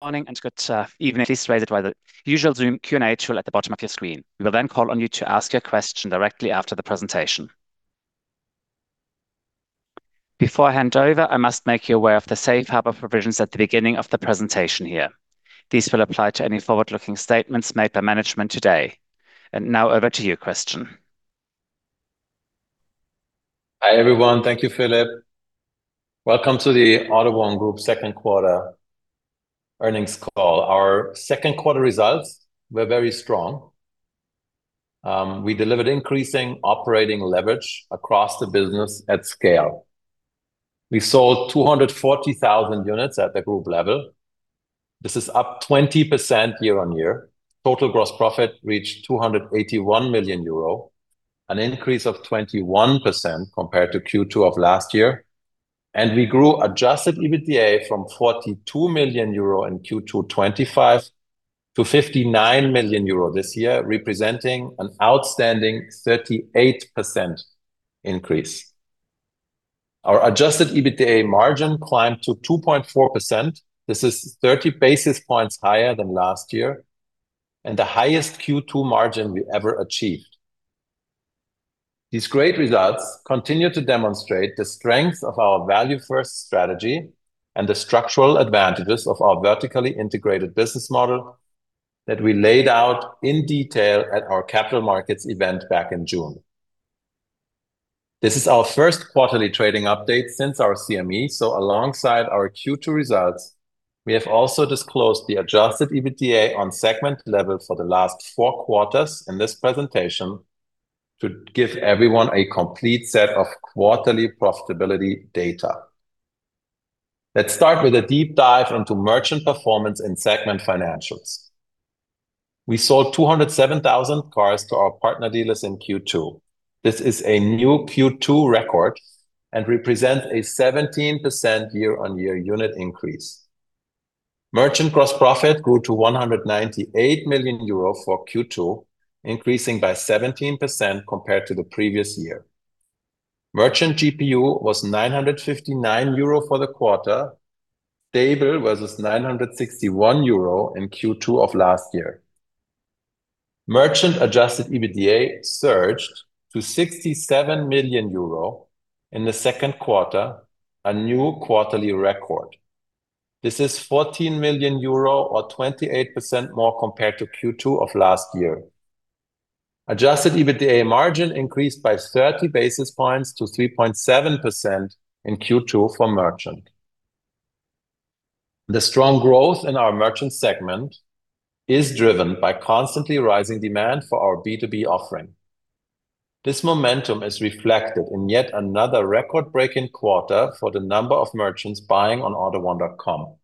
Morning and good evening. Please raise it by the usual Zoom Q&A tool at the bottom of your screen. We will then call on you to ask your question directly after the presentation. Before I hand over, I must make you aware of the safe harbor provisions at the beginning of the presentation here. These will apply to any forward-looking statements made by management today. And now over to you, Christian. Hi, everyone. Thank you, Philip. Welcome to the AUTO1 Group second quarter earnings call. Our second quarter results were very strong. We delivered increasing operating leverage across the business at scale. We sold 240,000 units at the group level. This is up 20% year-on-year. Total gross profit reached 281 million euro, an increase of 21% compared to Q2 of last year. We grew adjusted EBITDA from 42 million euro in Q2 2025 to 59 million euro this year, representing an outstanding 38% increase. Our adjusted EBITDA margin climbed to 2.4%. This is 30 basis points higher than last year and the highest Q2 margin we ever achieved. These great results continue to demonstrate the strength of our value-first strategy and the structural advantages of our vertically integrated business model that we laid out in detail at our capital markets event back in June. This is our first quarterly trading update since our CME, alongside our Q2 results, we have also disclosed the adjusted EBITDA on segment level for the last four quarters in this presentation to give everyone a complete set of quarterly profitability data. Let's start with a deep dive into merchant performance and segment financials. We sold 207,000 cars to our partner dealers in Q2. This is a new Q2 record and represents a 17% year-on-year unit increase. Merchant gross profit grew to 198 million euro for Q2, increasing by 17% compared to the previous year. Merchant GPU was 959 euro for the quarter, stable versus 961 euro in Q2 of last year. Merchant-adjusted EBITDA surged to 67 million euro in the second quarter, a new quarterly record. This is 14 million euro, or 28% more compared to Q2 of last year. Adjusted EBITDA margin increased by 30 basis points to 3.7% in Q2 for merchant. The strong growth in our merchant segment is driven by constantly rising demand for our B2B offering. This momentum is reflected in yet another record-breaking quarter for the number of merchants buying on AUTO1.com.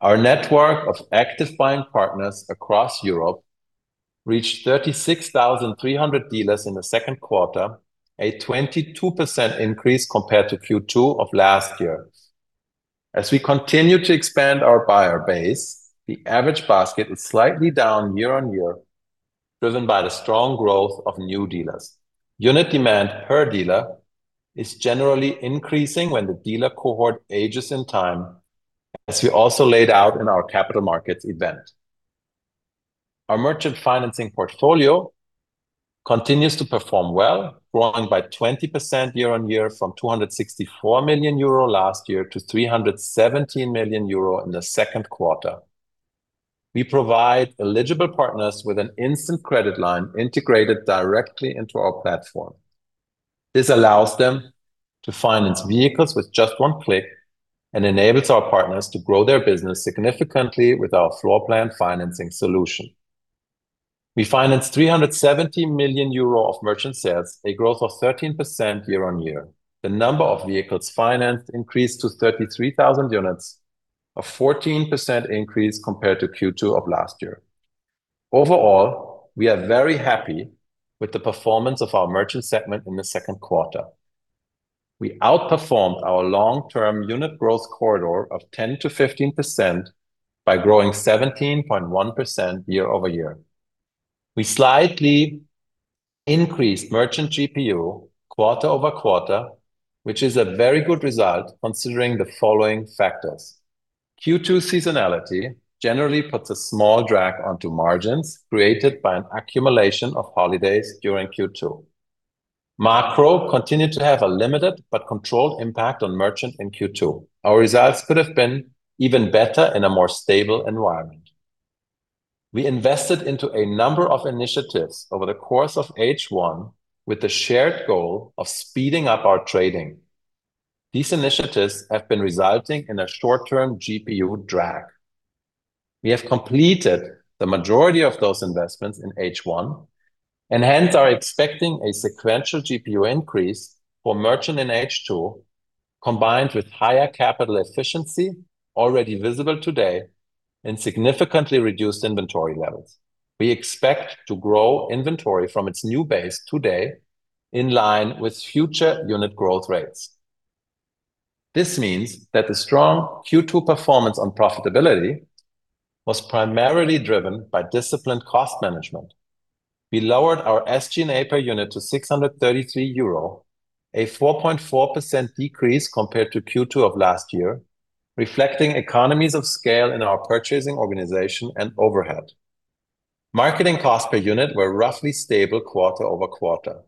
Our network of active buying partners across Europe reached 36,300 dealers in the second quarter, a 22% increase compared to Q2 of last year. As we continue to expand our buyer base, the average basket is slightly down year-on-year, driven by the strong growth of new dealers. Unit demand per dealer is generally increasing when the dealer cohort ages in time, as we also laid out in our capital markets event. Our merchant financing portfolio continues to perform well, growing by 20% year-on-year from 264 million euro last year to 317 million euro in the second quarter. We provide eligible partners with an instant credit line integrated directly into our platform. This allows them to finance vehicles with just one click and enables our partners to grow their business significantly with our floor plan financing solution. We financed 370 million euro of merchant sales, a growth of 13% year-on-year. The number of vehicles financed increased to 33,000 units, a 14% increase compared to Q2 of last year. Overall, we are very happy with the performance of our merchant segment in the second quarter. We outperformed our long-term unit growth corridor of 10%-15% by growing 17.1% year-over-year. We slightly increased merchant GPU quarter-over-quarter, which is a very good result considering the following factors. Q2 seasonality generally puts a small drag onto margins created by an accumulation of holidays during Q2. Macro continued to have a limited but controlled impact on merchant in Q2. Our results could have been even better in a more stable environment. We invested into a number of initiatives over the course of H1 with the shared goal of speeding up our trading. These initiatives have been resulting in a short-term GPU drag. We have completed the majority of those investments in H1, hence are expecting a sequential GPU increase for merchant in H2, combined with higher capital efficiency already visible today and significantly reduced inventory levels. We expect to grow inventory from its new base today in line with future unit growth rates. This means that the strong Q2 performance on profitability was primarily driven by disciplined cost management. We lowered our SG&A per unit to 633 euro, a 4.4% decrease compared to Q2 of last year, reflecting economies of scale in our purchasing organization and overhead. Marketing costs per unit were roughly stable quarter-over-quarter.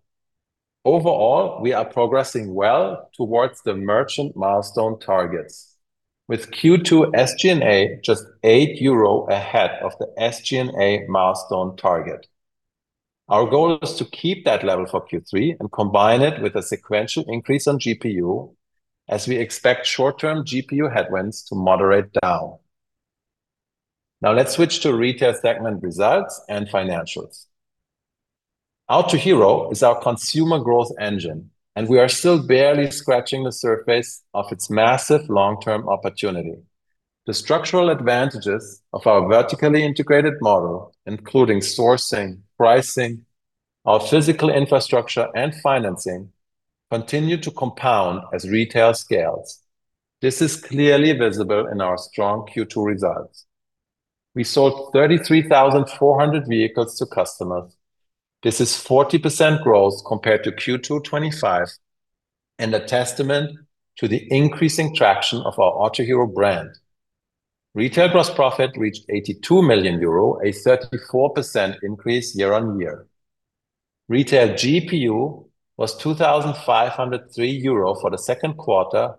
Overall, we are progressing well towards the merchant milestone targets, with Q2 SG&A just 8 euro ahead of the SG&A milestone target. Our goal is to keep that level for Q3 and combine it with a sequential increase in GPU as we expect short-term GPU headwinds to moderate down. Let's switch to retail segment results and financials. Autohero is our consumer growth engine, and we are still barely scratching the surface of its massive long-term opportunity. The structural advantages of our vertically integrated model, including sourcing, pricing, our physical infrastructure, and financing, continue to compound as retail scales. This is clearly visible in our strong Q2 results. We sold 33,400 vehicles to customers. This is 40% growth compared to Q2 2025 and a testament to the increasing traction of our Autohero brand. Retail gross profit reached 82 million euro, a 34% increase year-on-year. Retail GPU was 2,503 euro for the second quarter,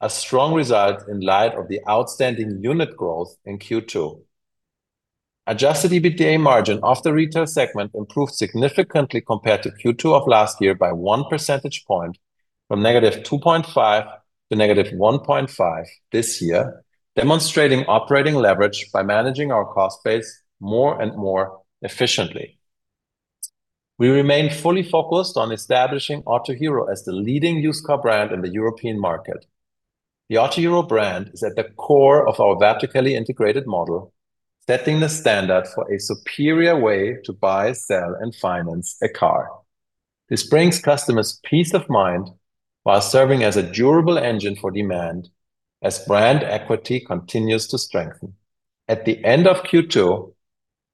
a strong result in light of the outstanding unit growth in Q2. Adjusted EBITDA margin of the retail segment improved significantly compared to Q2 of last year by one percentage point from -2.5% to -1.5% this year, demonstrating operating leverage by managing our cost base more and more efficiently. We remain fully focused on establishing Autohero as the leading used car brand in the European market. The Autohero brand is at the core of our vertically integrated model, setting the standard for a superior way to buy, sell, and finance a car. This brings customers peace of mind while serving as a durable engine for demand as brand equity continues to strengthen. At the end of Q2,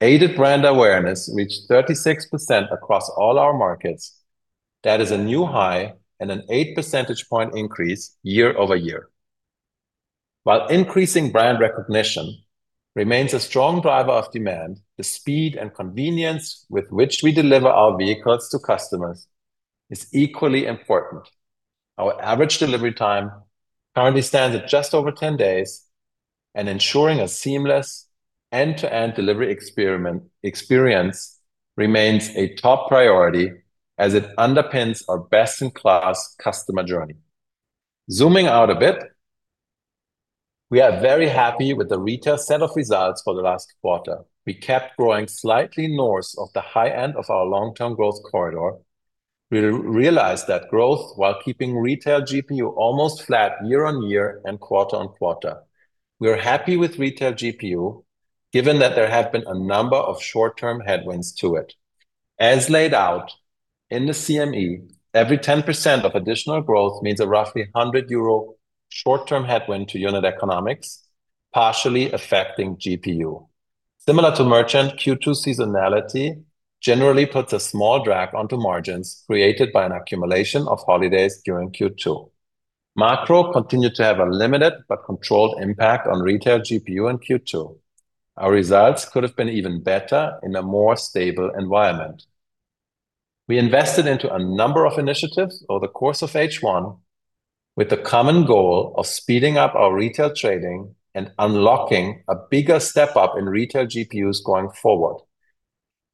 aided brand awareness reached 36% across all our markets. That is a new high and an 8 percentage point increase year-over-year. While increasing brand recognition remains a strong driver of demand, the speed and convenience with which we deliver our vehicles to customers is equally important. Our average delivery time currently stands at just over 10 days and ensuring a seamless end-to-end delivery experience remains a top priority as it underpins our best-in-class customer journey. Zooming out a bit, we are very happy with the retail set of results for the last quarter. We kept growing slightly north of the high end of our long-term growth corridor. We realized that growth while keeping retail GPU almost flat year-on-year and quarter-on-quarter. We are happy with retail GPU, given that there have been a number of short-term headwinds to it. As laid out in the CME, every 10% of additional growth means a roughly 100 euro short-term headwind to unit economics, partially affecting GPU. Similar to merchant, Q2 seasonality generally puts a small drag onto margins created by an accumulation of holidays during Q2. Macro continued to have a limited but controlled impact on retail GPU in Q2. Our results could have been even better in a more stable environment. We invested into a number of initiatives over the course of H1 with the common goal of speeding up our retail trading and unlocking a bigger step-up in retail GPUs going forward.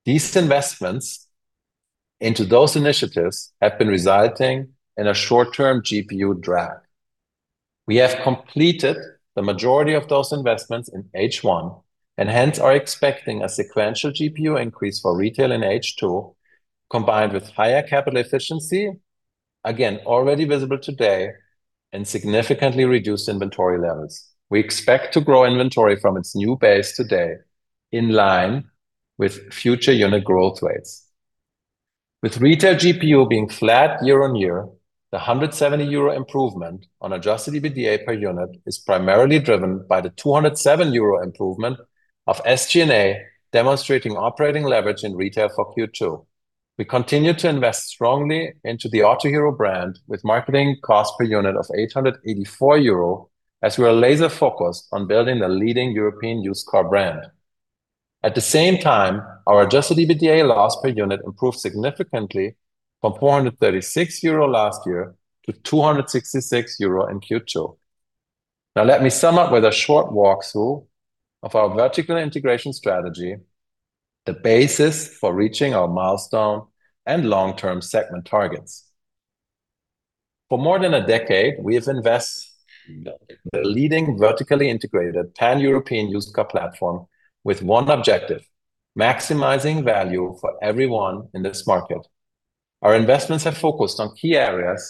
These investments into those initiatives have been resulting in a short-term GPU drag. We have completed the majority of those investments in H1 and hence are expecting a sequential GPU increase for retail in H2, combined with higher capital efficiency, again, already visible today, and significantly reduced inventory levels. We expect to grow inventory from its new base today in line with future unit growth rates. With retail GPU being flat year-on-year, the 170 euro improvement on adjusted EBITDA per unit is primarily driven by the 207 euro improvement of SG&A, demonstrating operating leverage in retail for Q2. We continue to invest strongly into the Autohero brand with marketing cost per unit of 884 euro, as we are laser-focused on building a leading European used car brand. At the same time, our adjusted EBITDA loss per unit improved significantly from 436 euro last year to 266 euro in Q2. Now let me sum up with a short walkthrough of our vertical integration strategy, the basis for reaching our milestone and long-term segment targets. For more than a decade, we have invested the leading vertically integrated pan-European used car platform with one objective: maximizing value for everyone in this market. Our investments have focused on key areas,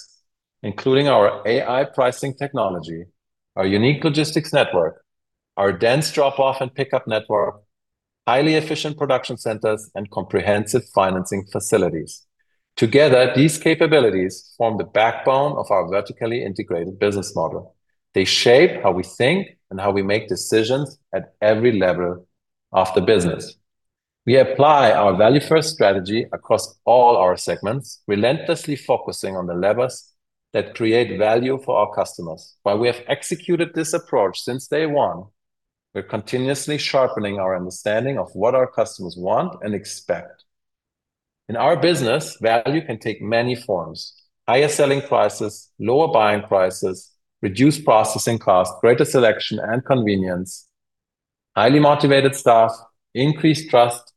including our AI pricing technology, our unique logistics network, our dense drop-off and pickup network, highly efficient production centers, and comprehensive financing facilities. Together, these capabilities form the backbone of our vertically integrated business model. They shape how we think and how we make decisions at every level of the business. We apply our value-first strategy across all our segments, relentlessly focusing on the levers that create value for our customers. While we have executed this approach since day one, we're continuously sharpening our understanding of what our customers want and expect. In our business, value can take many forms: higher selling prices, lower buying prices, reduced processing costs, greater selection and convenience, highly motivated staff, increased trust,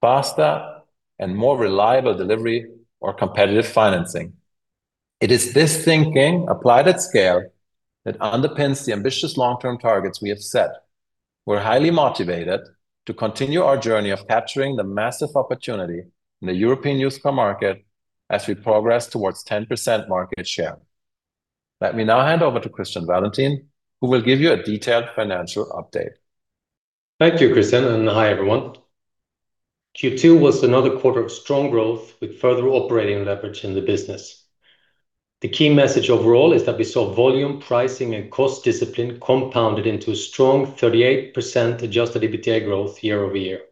faster and more reliable delivery or competitive financing. It is this thinking applied at scale that underpins the ambitious long-term targets we have set. We're highly motivated to continue our journey of capturing the massive opportunity in the European used car market as we progress towards 10% market share. Let me now hand over to Christian Wallentin, who will give you a detailed financial update. Thank you, Christian, and hi, everyone. Q2 was another quarter of strong growth with further operating leverage in the business. The key message overall is that we saw volume pricing and cost discipline compounded into a strong 38% adjusted EBITDA growth year-over-year.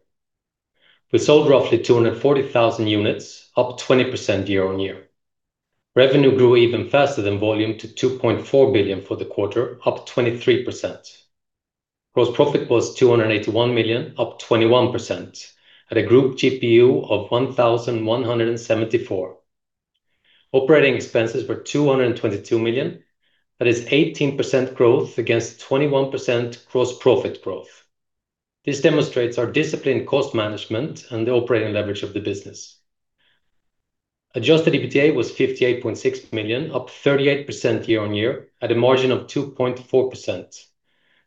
We sold roughly 240,000 units, up 20% year-on-year. Revenue grew even faster than volume to 2.4 billion for the quarter, up 23%. Gross profit was 281 million, up 21%, at a group GPU of 1,174. Operating expenses were 222 million. That is 18% growth against 21% gross profit growth. This demonstrates our disciplined cost management and the operating leverage of the business. Adjusted EBITDA was 58.6 million, up 38% year-on-year at a margin of 2.4%.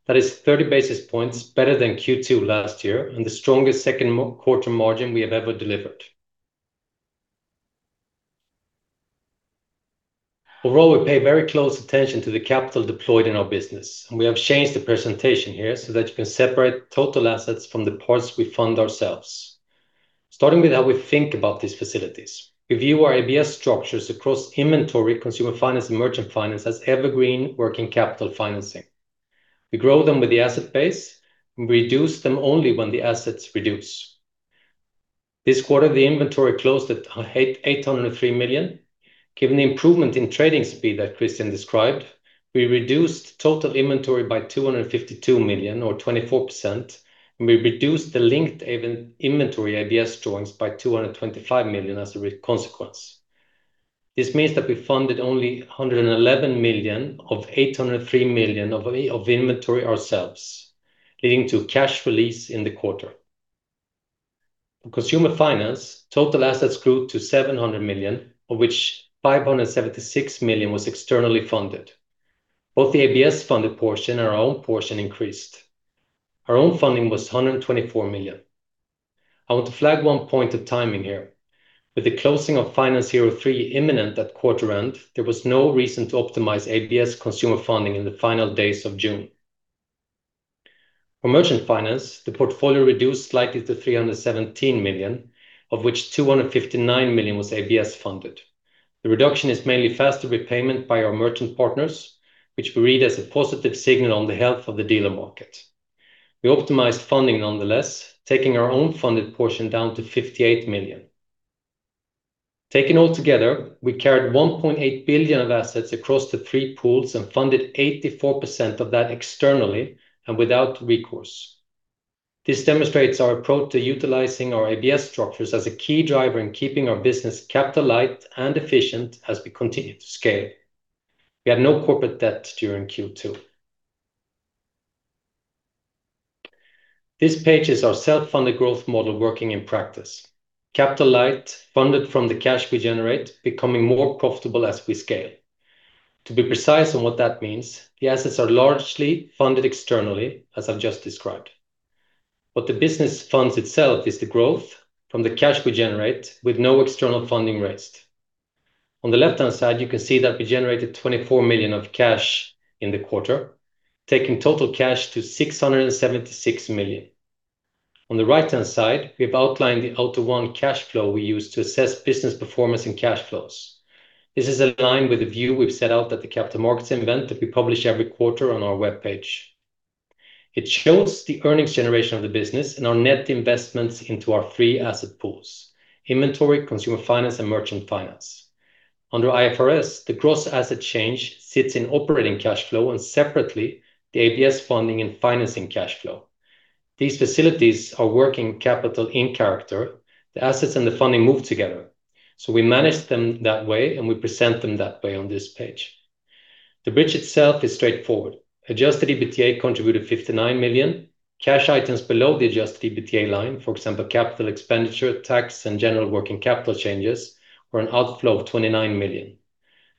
That is 30 basis points better than Q2 last year and the strongest second quarter margin we have ever delivered. Overall, we pay very close attention to the capital deployed in our business. We have changed the presentation here so that you can separate total assets from the parts we fund ourselves. Starting with how we think about these facilities. We view our ABS structures across inventory, consumer finance, and merchant finance as evergreen working capital financing. We grow them with the asset base and reduce them only when the assets reduce. This quarter, the inventory closed at 803 million. Given the improvement in trading speed that Christian described, we reduced total inventory by 252 million or 24%. We reduced the linked inventory ABS drawings by 225 million as a consequence. This means that we funded only 111 million of 803 million of inventory ourselves, leading to cash release in the quarter. For consumer finance, total assets grew to 700 million, of which 576 million was externally funded. Both the ABS funded portion and our own portion increased. Our own funding was 124 million. I want to flag one point of timing here. With the closing of FinanceHero 3 imminent at quarter end, there was no reason to optimize ABS consumer funding in the final days of June. For merchant finance, the portfolio reduced slightly to 317 million, of which 259 million was ABS funded. The reduction is mainly faster repayment by our merchant partners, which we read as a positive signal on the health of the dealer market. We optimized funding nonetheless, taking our own funded portion down to 58 million. Taken all together, we carried 1.8 billion of assets across the three pools and funded 84% of that externally and without recourse. This demonstrates our approach to utilizing our ABS structures as a key driver in keeping our business capital light and efficient as we continue to scale. We had no corporate debt during Q2. This page is our self-funded growth model working in practice. Capital light, funded from the cash we generate, becoming more profitable as we scale. To be precise on what that means, the assets are largely funded externally, as I've just described. What the business funds itself is the growth from the cash we generate with no external funding raised. On the left-hand side, you can see that we generated 24 million of cash in the quarter, taking total cash to 676 million. On the right-hand side, we have outlined the AUTO1 cash flow we use to assess business performance and cash flows. This is aligned with the view we've set out at the capital markets event that we publish every quarter on our webpage. It shows the earnings generation of the business and our net investments into our three asset pools: inventory, consumer finance, and merchant finance. Under IFRS, the gross asset change sits in operating cash flow and separately, the ABS funding and financing cash flow. These facilities are working capital in character. The assets and the funding move together. So we manage them that way, and we present them that way on this page. The bridge itself is straightforward. Adjusted EBITDA contributed 59 million. Cash items below the Adjusted EBITDA line, for example, capital expenditure, tax, and general working capital changes, were an outflow of 29 million.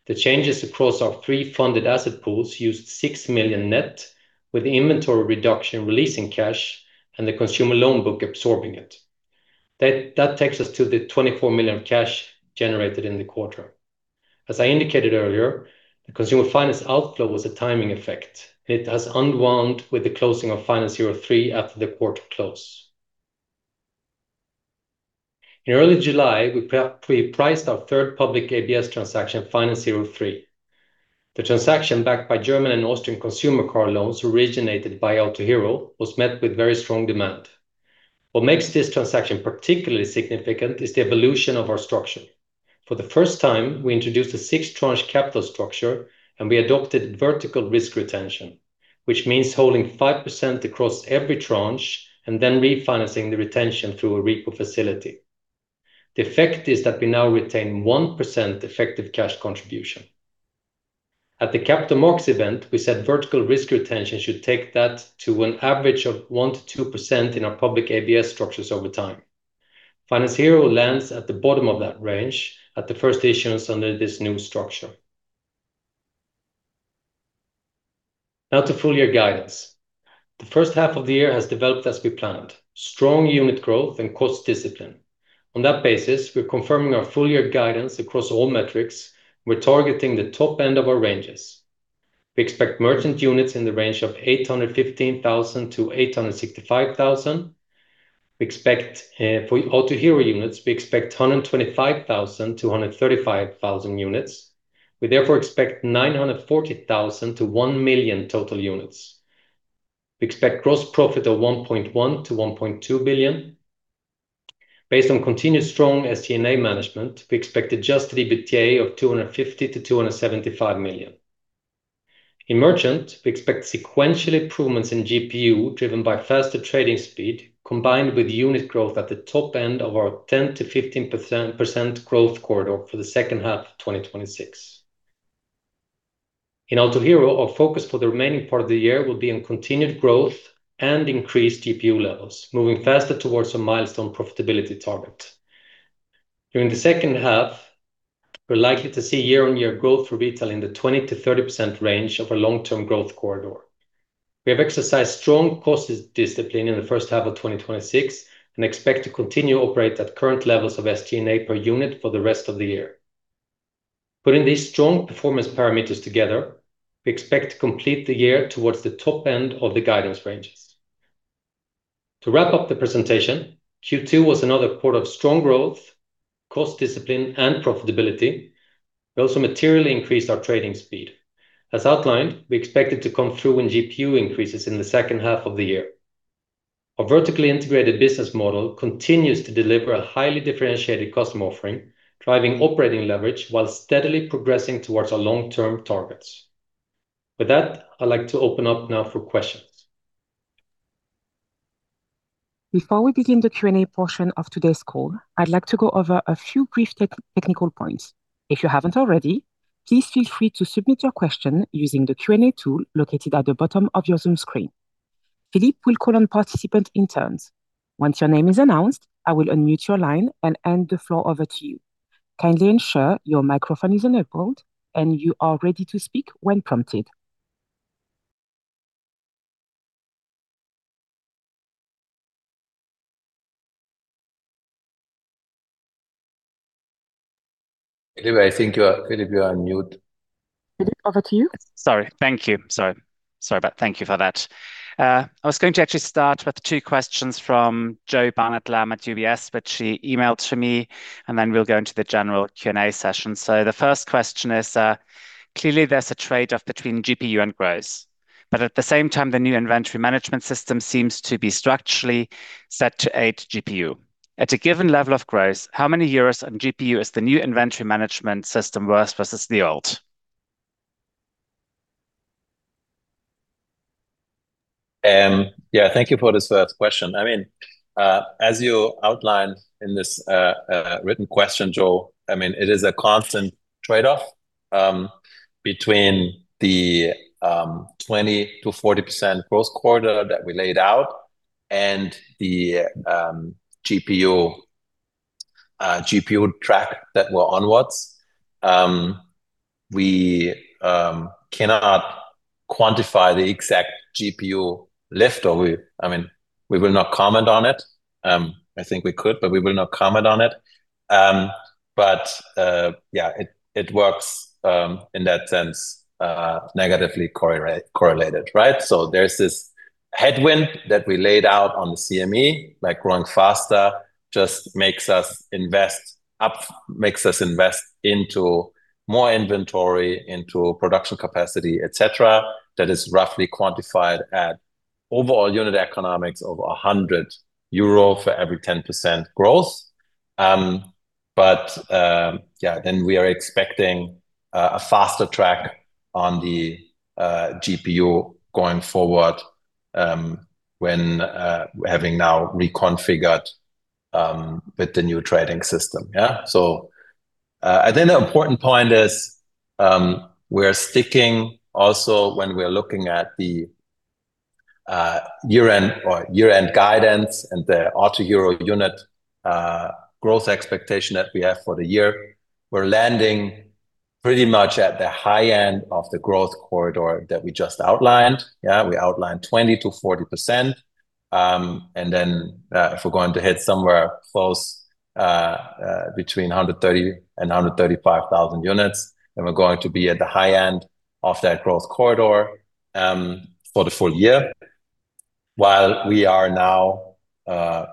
The changes across our three funded asset pools used 6 million net, with the inventory reduction releasing cash and the consumer loan book absorbing it. That takes us to the 24 million of cash generated in the quarter. As I indicated earlier, the consumer finance outflow was a timing effect. It has unwound with the closing of FinanceHero 3 after the quarter close. In early July, we priced our third public ABS transaction, FinanceHero 3. The transaction, backed by German and Austrian consumer car loans originated by AUTO1 Group, was met with very strong demand. What makes this transaction particularly significant is the evolution of our structure. For the first time, we introduced a six-tranche capital structure, and we adopted vertical risk retention, which means holding 5% across every tranche and then refinancing the retention through a repo facility. The effect is that we now retain 1% effective cash contribution. At the capital markets event, we said vertical risk retention should take that to an average of 1%-2% in our public ABS structures over time. FinanceHero lands at the bottom of that range at the first issuance under this new structure. Now to full year guidance. The first half of the year has developed as we planned. Strong unit growth and cost discipline. On that basis, we are confirming our full year guidance across all metrics. We are targeting the top end of our ranges. We expect merchant units in the range of 815,000-865,000. We expect for AUTO1 Group units, we expect 125,000-135,000 units. We therefore expect 940,000-1 million total units. We expect gross profit of 1.1 billion-1.2 billion. Based on continued strong SG&A management, we expect adjusted EBITDA of 250 million-275 million. In merchant, we expect sequential improvements in GPU driven by faster trading speed, combined with unit growth at the top end of our 10%-15% growth corridor for the second half of 2026. In AUTO1 Group, our focus for the remaining part of the year will be on continued growth and increased GPU levels, moving faster towards a milestone profitability target. During the second half, we are likely to see year-on-year growth for retail in the 20%-30% range of our long-term growth corridor. We have exercised strong cost discipline in the first half of 2026 and expect to continue operate at current levels of SG&A per unit for the rest of the year. Putting these strong performance parameters together, we expect to complete the year towards the top end of the guidance ranges. To wrap up the presentation, Q2 was another quarter of strong growth, cost discipline, and profitability. We also materially increased our trading speed. As outlined, we expect it to come through in GPU increases in the second half of the year. Our vertically integrated business model continues to deliver a highly differentiated customer offering, driving operating leverage while steadily progressing towards our long-term targets. With that, I would like to open up now for questions. Before we begin the Q&A portion of today's call, I would like to go over a few brief technical points. If you haven't already, please feel free to submit your question using the Q&A tool located at the bottom of your Zoom screen. Philip will call on participants in turn. Once your name is announced, I will unmute your line and hand the floor over to you. Kindly ensure your microphone is enabled and you are ready to speak when prompted. Philip, I think you are on mute. Philip, over to you. Sorry. Thank you. Sorry about that. Thank you for that. I was going to actually start with two questions from Joe Barnet-Lamb at UBS, which she emailed to me, and then we'll go into the general Q&A session. The first question is, clearly there's a trade-off between GPU and growth, but at the same time, the new inventory management system seems to be structurally set to aid GPU. At a given level of growth, how many euros on GPU is the new inventory management system worth versus the old? Yeah. Thank you for this first question. As you outlined in this written question, Jo, it is a constant trade-off between the 20%-40% growth corridor that we laid out and the GPU track that we're on. We cannot quantify the exact GPU lift, or we will not comment on it. I think we could, but we will not comment on it. Yeah, it works in that sense, negatively correlated. There's this headwind that we laid out on the CME, like growing faster just makes us invest into more inventory, into production capacity, et cetera. That is roughly quantified at overall unit economics of 100 euro for every 10% growth. Yeah, then we are expecting a faster track on the GPU going forward when having now reconfigured with the new trading system. Yeah. I think the important point is we're sticking also when we're looking at the year-end guidance and the AUTO1 Group unit growth expectation that we have for the year. We're landing pretty much at the high end of the growth corridor that we just outlined. Yeah. We outlined 20%-40%. If we're going to hit somewhere close between 130 and 135,000 units, we're going to be at the high end of that growth corridor for the full year. While we are now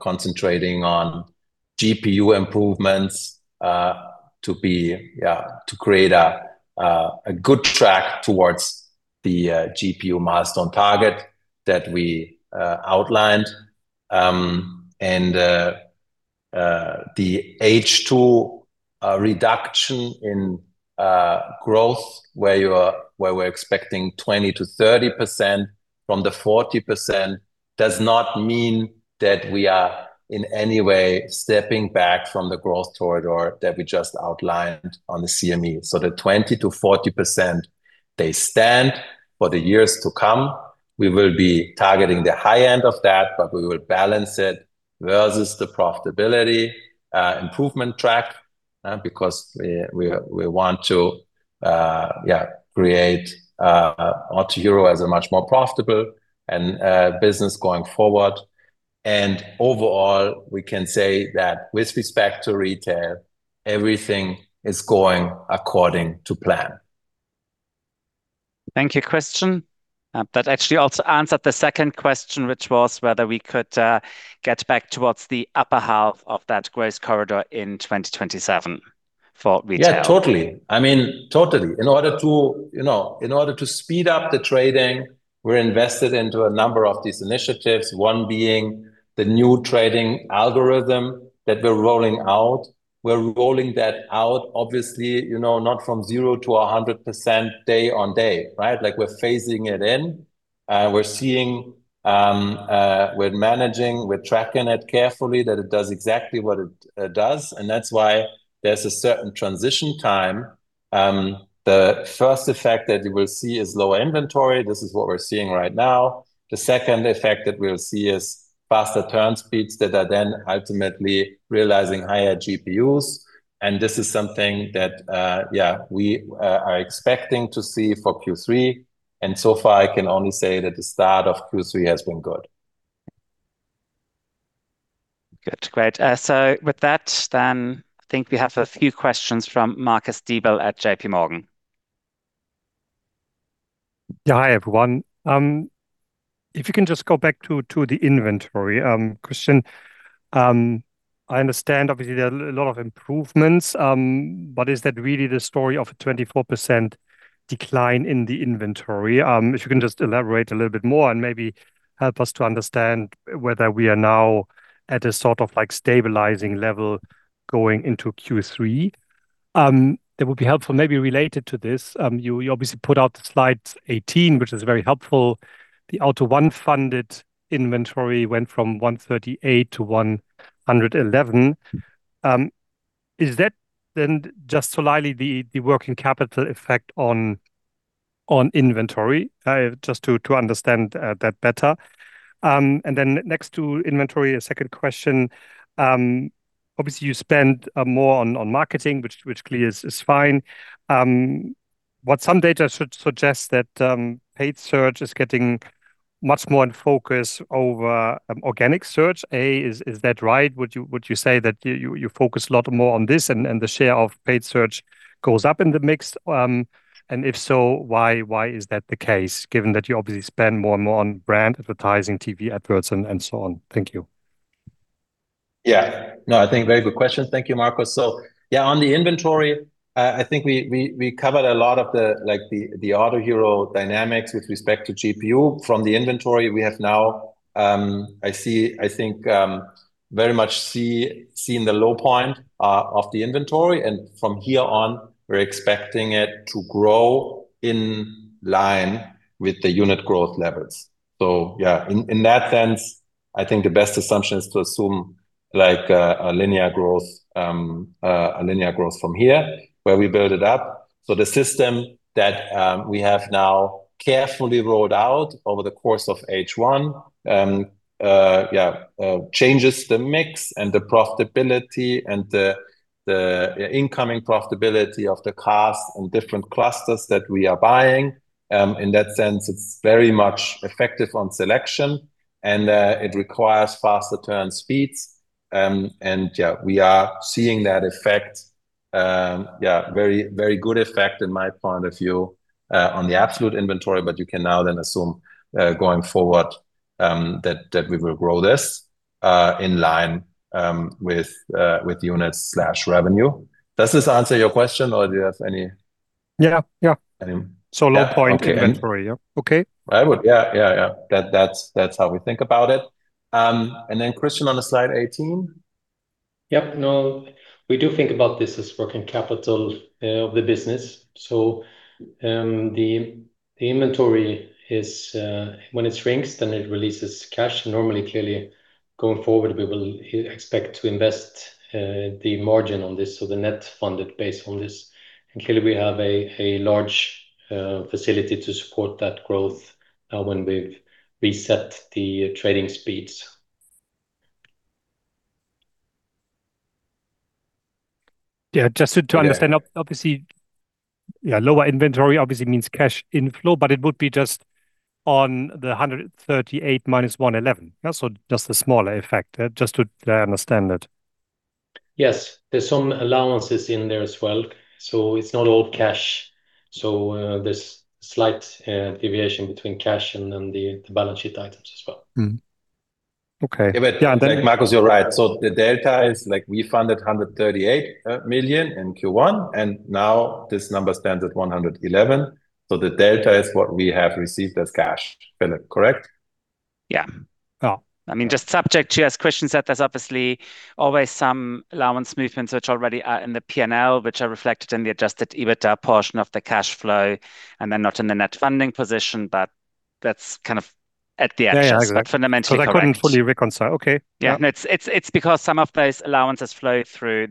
concentrating on GPU improvements to create a good track towards the GPU milestone target that we outlined. The H2 reduction in growth where we're expecting 20%-30% from the 40% does not mean that we are in any way stepping back from the growth corridor that we just outlined on the CME. The 20%-40%, they stand for the years to come. We will be targeting the high end of that, but we will balance it versus the profitability improvement track because we want to create Autohero as a much more profitable business going forward. Overall, we can say that with respect to retail, everything is going according to plan. Thank you, Christian. That actually also answered the second question, which was whether we could get back towards the upper half of that growth corridor in 2027 for retail. Yeah, totally. In order to speed up the trading, we're invested into a number of these initiatives, one being the new trading algorithm that we're rolling out. We're rolling that out, obviously, not from 0%-100% day on day, right? We're phasing it in. We're seeing, we're managing, we're tracking it carefully that it does exactly what it does. That's why there's a certain transition time. The first effect that you will see is lower inventory. This is what we're seeing right now. The second effect that we'll see is faster turn speeds that are then ultimately realizing higher GPUs. This is something that we are expecting to see for Q3. So far, I can only say that the start of Q3 has been good. Good. Great. With that, I think we have a few questions from Marcus Diebel at JPMorgan. Hi, everyone. If you can just go back to the inventory, Christian. I understand, obviously, there are a lot of improvements, is that really the story of a 24% decline in the inventory? If you can just elaborate a little bit more and maybe help us to understand whether we are now at a sort of stabilizing level going into Q3. That would be helpful. Maybe related to this, you obviously put out slide 18, which is very helpful. The AUTO1 funded inventory went from 138 to 111. Is that just slightly the working capital effect on inventory? Just to understand that better. Next to inventory, a second question. Obviously you spend more on marketing, which clearly is fine. Some data suggests that paid search is getting much more in focus over organic search. Is that right? Would you say that you focus a lot more on this and the share of paid search goes up in the mix? If so, why is that the case given that you obviously spend more and more on brand advertising, TV adverts, and so on? Thank you. No, I think very good question. Thank you, Marcus. On the inventory, I think we covered a lot of the Autohero dynamics with respect to GPU from the inventory we have now. I think very much seen the low point of the inventory, and from here on, we're expecting it to grow in line with the unit growth levels. In that sense, I think the best assumption is to assume a linear growth from here where we build it up. The system that we have now carefully rolled out over the course of H1 changes the mix and the profitability and the incoming profitability of the cars and different clusters that we are buying. In that sense, it's very much effective on selection and it requires faster turn speeds. We are seeing that effect. Very good effect in my point of view on the absolute inventory, you can now then assume going forward that we will grow this in line with unit/revenue. Does this answer your question or do you have any? Yeah. any- Low point inventory. Yeah. Okay. Yeah. That's how we think about it. Christian on slide 18. Yep. No. We do think about this as working capital of the business. The inventory is when it shrinks, then it releases cash normally. Clearly going forward, we will expect to invest the margin on this, so the net funded based on this. Clearly we have a large facility to support that growth when we've reset the trading speeds. Just to understand. Obviously, lower inventory means cash inflow, it would be just on the 138 million minus 111 million. Just a smaller effect, just to understand that. Yes. There's some allowances in there as well. It's not all cash. There's slight deviation between cash and then the balance sheet items as well. Okay. Like Marcus, you're right. The delta is like we funded 138 million in Q1, now this number stands at 111 million. The delta is what we have received as cash, Philip, correct? Yeah. Just subject to, as Christian said, there's obviously always some allowance movements which already are in the P&L, which are reflected in the adjusted EBITA portion of the cash flow, and then not in the net funding position. That's kind of at the edges. Yeah, yeah. I got it. Fundamentally correct. I couldn't fully reconcile. Okay. Yeah. Yeah. It's because some of those allowances flow through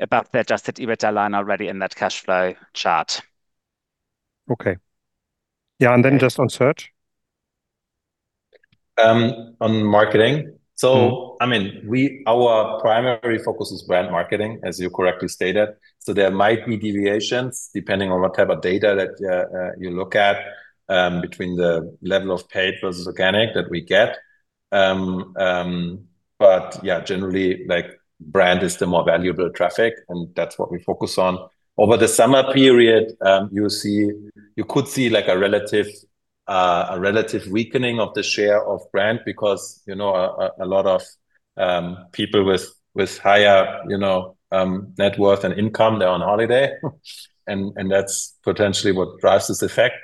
above the adjusted EBITA line already in that cash flow chart. Okay. Yeah, just on search. On marketing. Our primary focus is brand marketing, as you correctly stated. There might be deviations depending on what type of data that you look at, between the level of paid versus organic that we get. Yeah, generally, brand is the more valuable traffic, and that's what we focus on. Over the summer period, you could see a relative weakening of the share of brand because a lot of people with higher net worth and income, they're on holiday, and that's potentially what drives this effect.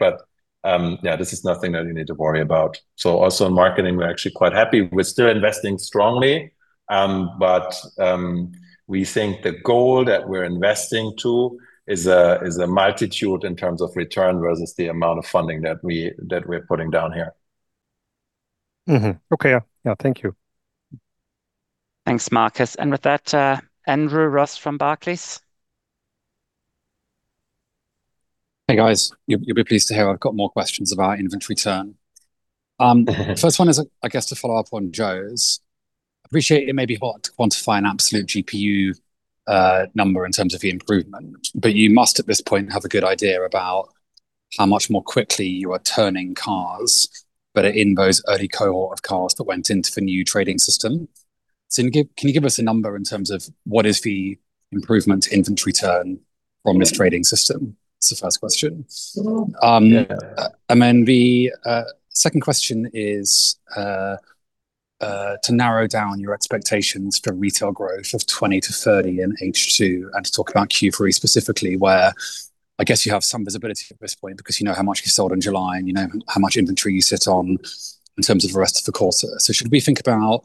Yeah, this is nothing that you need to worry about. Also in marketing, we're actually quite happy. We're still investing strongly. We think the goal that we're investing to is a multitude in terms of return versus the amount of funding that we're putting down here. Okay. Yeah. Thank you. Thanks, Marcus. With that, Andrew Ross from Barclays. Hey, guys. You'll be pleased to hear I've got more questions about inventory turn. First one is, I guess to follow up on Joe's. Appreciate it may be hard to quantify an absolute GPU number in terms of the improvement, you must, at this point, have a good idea about how much more quickly you are turning cars in those early cohort of cars that went into the new trading system. Can you give us a number in terms of what is the improvement inventory turn from this trading system? That's the first question. Yeah. The second question is to narrow down your expectations for retail growth of 20%-30% in H2, and to talk about Q3 specifically, where I guess you have some visibility at this point because you know how much you sold in July, and you know how much inventory you sit on in terms of the rest of the quarter. Should we think about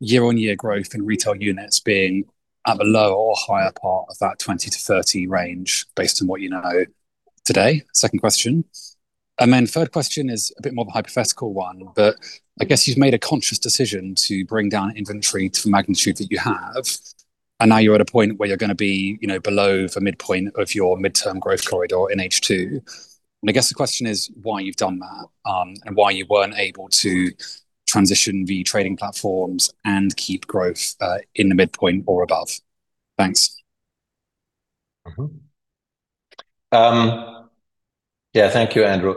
year-on-year growth in retail units being at the lower or higher part of that 20%-30% range based on what you know today? Second question. The third question is a bit more of a hypothetical one, but I guess you've made a conscious decision to bring down inventory to the magnitude that you have, and now you're at a point where you're going to be below the midpoint of your midterm growth corridor in H2. I guess the question is why you've done that, and why you weren't able to transition the trading platforms and keep growth in the midpoint or above. Thanks. Thank you, Andrew.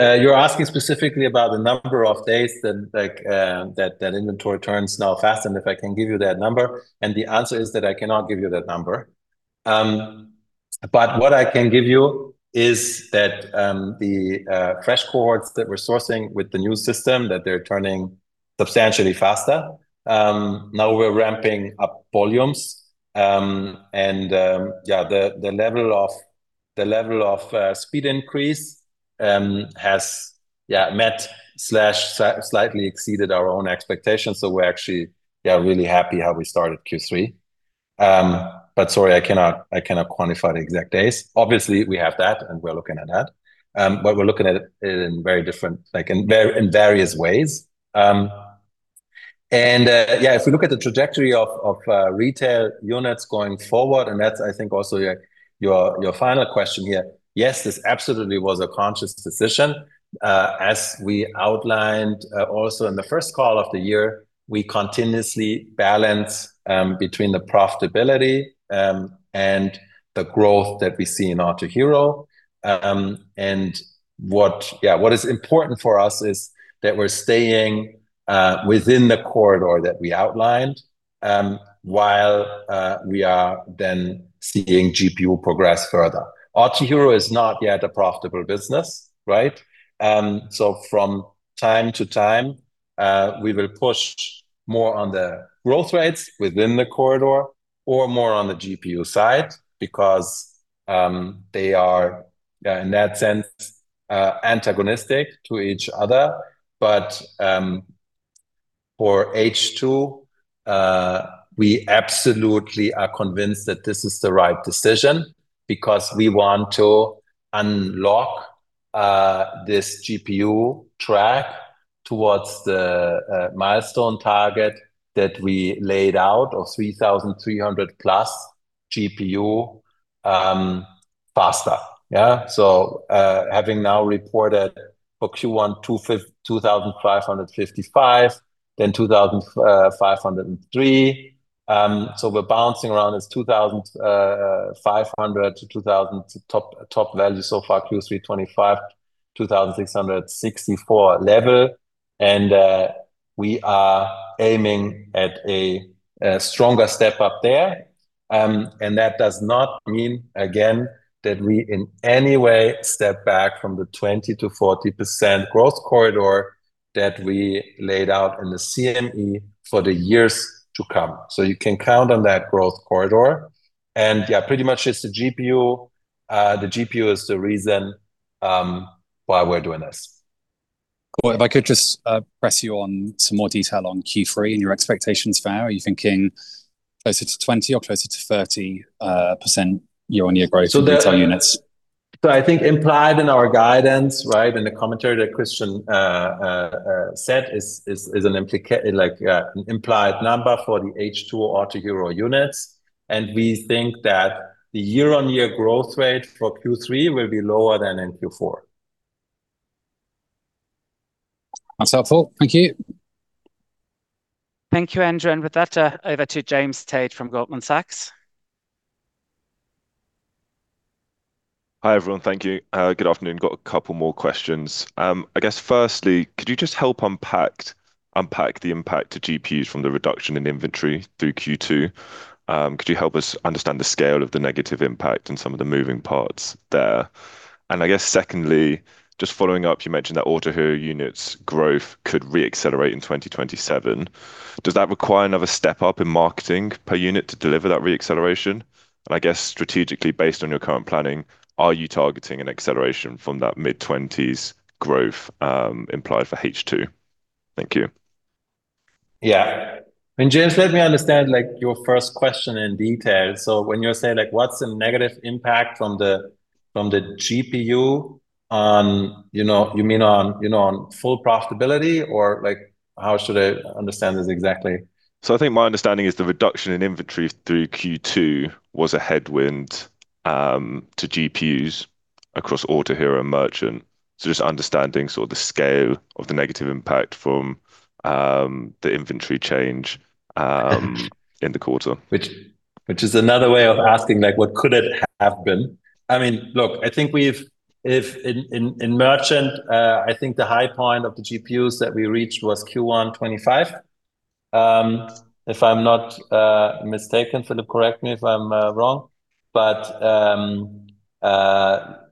You're asking specifically about the number of days that inventory turns now fast, and if I can give you that number. The answer is that I cannot give you that number. What I can give you is that the fresh cohorts that we're sourcing with the new system, that they're turning substantially faster. Now we're ramping up volumes. Yeah, the level of speed increase has met/slightly exceeded our own expectations. We're actually, yeah, really happy how we started Q3. Sorry, I cannot quantify the exact days. Obviously, we have that, and we're looking at that. We're looking at it in very different, in various ways. Yeah, if we look at the trajectory of retail units going forward, and that's I think also your final question here. Yes, this absolutely was a conscious decision. As we outlined also in the first call of the year, we continuously balance between the profitability, and the growth that we see in Autohero. What is important for us is that we're staying within the corridor that we outlined, while we are then seeing GPU progress further. Autohero is not yet a profitable business, right? From time to time, we will push more on the growth rates within the corridor or more on the GPU side because, they are, in that sense, antagonistic to each other. For H2, we absolutely are convinced that this is the right decision because we want to unlock this GPU track towards the milestone target that we laid out of EUR 3,300+ GPU. Faster. Having now reported for Q1 2,555, then 2,503. We're bouncing around. It's 2,500 to 2,000 top value so far, Q3 2025, 2,664 level. We are aiming at a stronger step up there. That does not mean, again, that we in any way step back from the 20%-40% growth corridor that we laid out in the CME for the years to come. You can count on that growth corridor. Yeah, pretty much it's the GPU. The GPU is the reason why we're doing this. Cool. If I could just press you on some more detail on Q3 and your expectations for are you thinking closer to 20% or closer to 30%, year-on-year growth on retail units? I think implied in our guidance, right, in the commentary that Christian said is an implied number for the H2 Autohero units. We think that the year-on-year growth rate for Q3 will be lower than in Q4. That's helpful. Thank you. Thank you, Andrew. With that, over to James Tate from Goldman Sachs. Hi, everyone. Thank you. Good afternoon. I have a couple more questions. Firstly, could you just help unpack the impact to GPUs from the reduction in inventory through Q2? Could you help us understand the scale of the negative impact and some of the moving parts there? Secondly, just following up, you mentioned that Autohero units growth could re-accelerate in 2027. Does that require another step up in marketing per unit to deliver that re-acceleration? Strategically, based on your current planning, are you targeting an acceleration from that mid-20s growth implied for H2? Thank you. Yeah. James, let me understand your first question in detail. When you say what's the negative impact from the GPU, you mean on full profitability or how should I understand this exactly? I think my understanding is the reduction in inventory through Q2 was a headwind to GPUs across Autohero and merchant. Just understanding sort of the scale of the negative impact from the inventory change in the quarter. Which is another way of asking, what could it have been? Look, I think in merchant, I think the high point of the GPUs that we reached was Q1 2025. If I'm not mistaken, Philip, correct me if I'm wrong.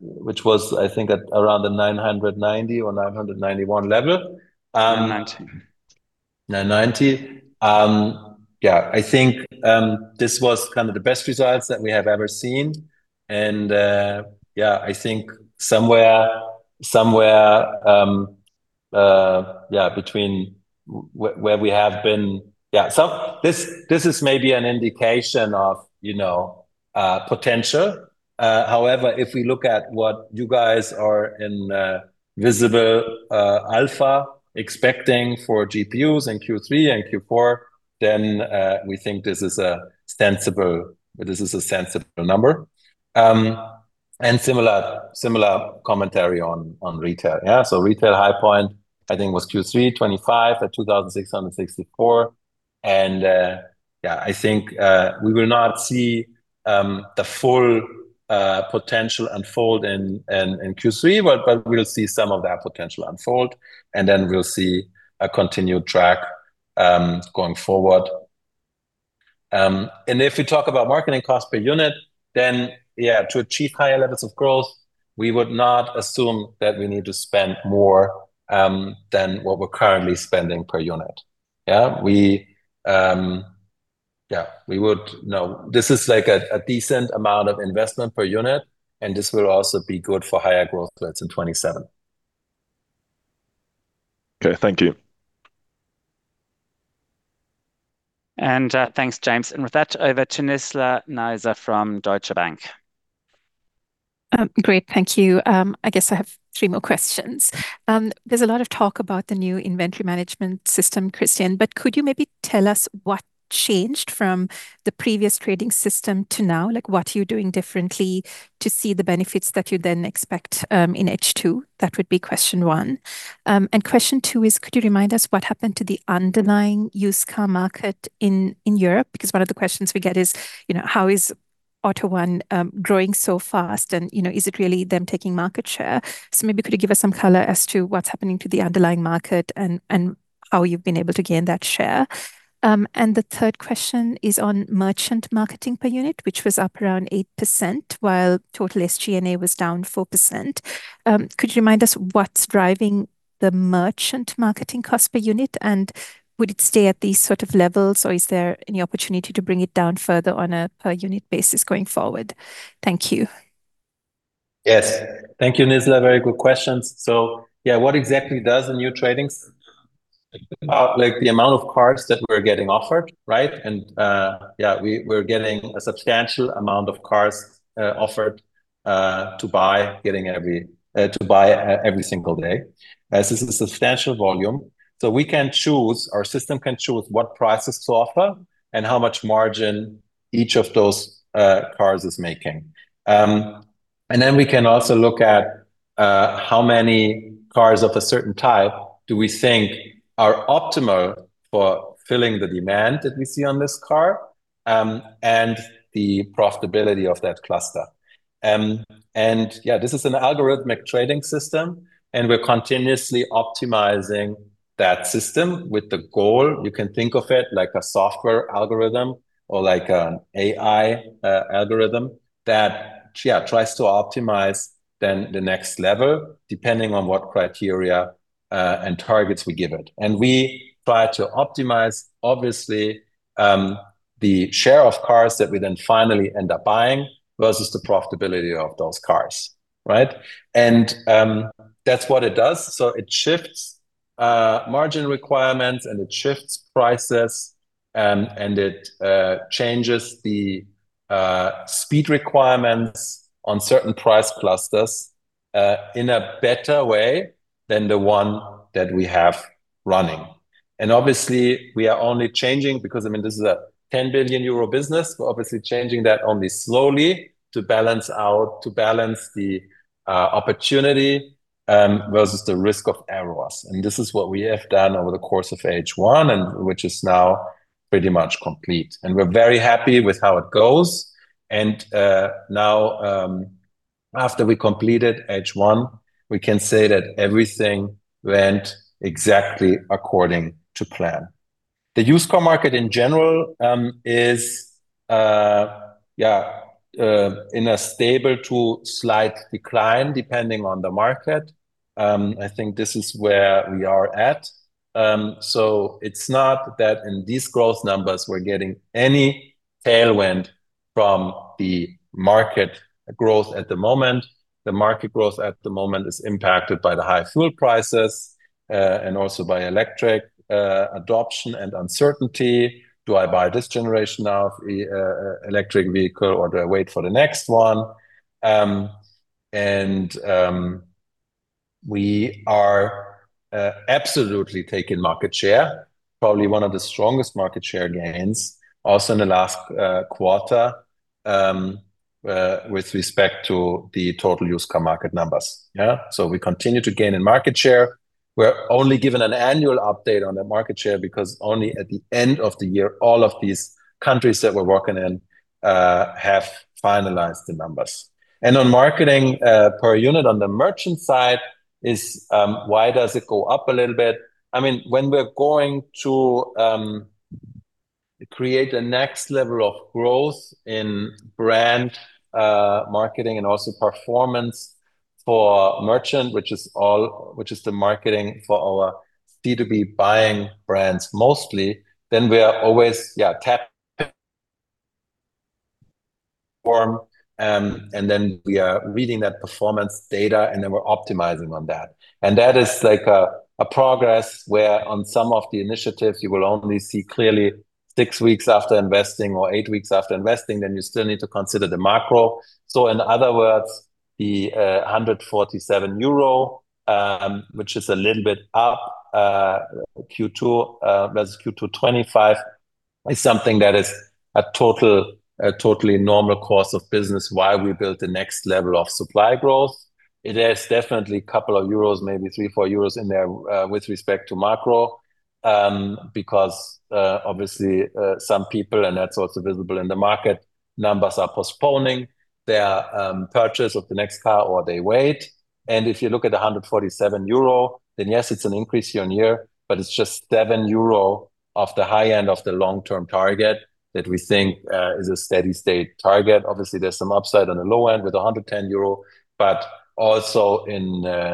Which was I think at around the 990 or 991 level. 990. 990. I think, this was kind of the best results that we have ever seen. I think somewhere between where we have been. This is maybe an indication of potential. However, if we look at what you guys are in Visible Alpha expecting for GPUs in Q3 and Q4, then we think this is a sensible number. Similar commentary on retail. Retail high point, I think was Q3 2025 at 2,664. I think we will not see the full potential unfold in Q3, but we'll see some of that potential unfold, we'll see a continued track going forward. If you talk about marketing cost per unit, to achieve higher levels of growth, we would not assume that we need to spend more than what we're currently spending per unit. This is a decent amount of investment per unit, and this will also be good for higher growth rates in 2027. Okay. Thank you. Thanks, James. With that, over to Nizla Naizer from Deutsche Bank. Great. Thank you. I guess I have three more questions. There's a lot of talk about the new inventory management system, Christian, could you maybe tell us what changed from the previous trading system to now? What are you doing differently to see the benefits that you then expect in H2? That would be question one. Question two is could you remind us what happened to the underlying used car market in Europe? Because one of the questions we get is, how is AUTO1 growing so fast and, is it really them taking market share? Maybe could you give us some color as to what's happening to the underlying market and how you've been able to gain that share. The third question is on merchant marketing per unit, which was up around 8% while total SG&A was down 4%. Could you remind us what's driving the merchant marketing cost per unit, and would it stay at these sort of levels, or is there any opportunity to bring it down further on a per unit basis going forward? Thank you. Yes. Thank you, Nizla. Very good questions. What exactly does a new trading system look like? The amount of cars that we're getting offered, right? We're getting a substantial amount of cars offered to buy every single day. This is a substantial volume. We can choose, our system can choose what prices to offer And how much margin each of those cars is making. Then we can also look at how many cars of a certain type do we think are optimal for filling the demand that we see on this car, and the profitability of that cluster. This is an algorithmic trading system, and we're continuously optimizing that system with the goal. You can think of it like a software algorithm or like an AI algorithm that tries to optimize then the next level, depending on what criteria and targets we give it. We try to optimize, obviously, the share of cars that we then finally end up buying versus the profitability of those cars. Right. That is what it does. It shifts margin requirements and it shifts prices, and it changes the speed requirements on certain price clusters, in a better way than the one that we have running. Obviously, we are only changing because this is a 10 billion euro business. We are obviously changing that only slowly to balance the opportunity versus the risk of errors. This is what we have done over the course of H1 and which is now pretty much complete. We are very happy with how it goes. Now, after we completed H1, we can say that everything went exactly according to plan. The used car market in general is in a stable to slight decline, depending on the market. I think this is where we are at. It is not that in these growth numbers, we are getting any tailwind from the market growth at the moment. The market growth at the moment is impacted by the high fuel prices, and also by electric adoption and uncertainty. Do I buy this generation of electric vehicle or do I wait for the next one? We are absolutely taking market share, probably one of the strongest market share gains also in the last quarter with respect to the total used car market numbers. Yeah. We continue to gain in market share. We are only given an annual update on the market share because only at the end of the year, all of these countries that we are working in have finalized the numbers. On marketing, per unit on the merchant side, why does it go up a little bit? When we are going to create a next level of growth in brand marketing and also performance for merchant, which is the marketing for our D2B buying brands mostly, then we are always, yeah, [inaudible] and then we are reading that performance data, and then we are optimizing on that. That is like a progress where on some of the initiatives, you will only see clearly six weeks after investing or eight weeks after investing, then you still need to consider the macro. In other words, the 147 million euro, which is a little bit up, Q2 versus Q2 2025 is something that is a totally normal course of business while we build the next level of supply growth. It is definitely a couple of euros, maybe three, four euros in there, with respect to macro. Obviously, some people, and that is also visible in the market, numbers are postponing their purchase of the next car, or they wait. If you look at the 147 million euro, then yes, it is an increase year-on-year, but it is just 7 million euro off the high end of the long-term target that we think is a steady state target. Obviously, there is some upside on the low end with 110 million euro, but also in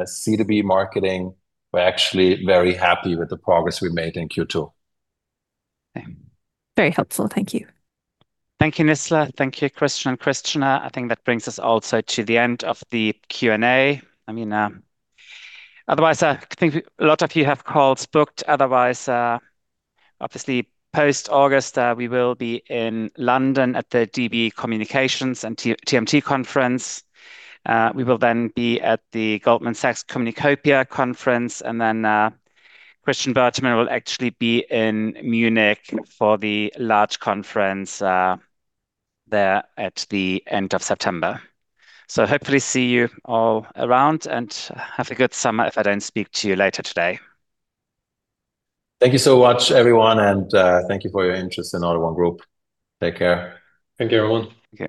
C2B marketing, we are actually very happy with the progress we made in Q2. Okay. Very helpful. Thank you. Thank you, Nizla. Thank you, Christian and Christian. I think that brings us also to the end of the Q&A. Otherwise, I think a lot of you have calls booked. Otherwise, obviously post-August, we will be in London at the DB Communications and TMT Conference. We will then be at the Goldman Sachs Communacopia Conference, and then Christian Bertermann will actually be in Munich for the large conference there at the end of September. Hopefully see you all around, and have a good summer if I don't speak to you later today. Thank you so much, everyone, and thank you for your interest in AUTO1 Group. Take care. Thank you, everyone. Okay.